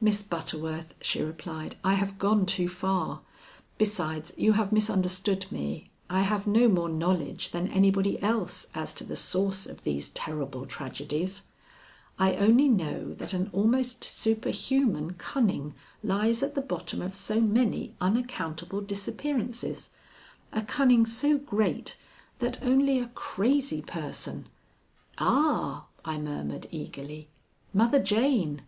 "Miss Butterworth," she replied, "I have gone too far. Besides, you have misunderstood me. I have no more knowledge than anybody else as to the source of these terrible tragedies. I only know that an almost superhuman cunning lies at the bottom of so many unaccountable disappearances, a cunning so great that only a crazy person " "Ah," I murmured eagerly, "Mother Jane!"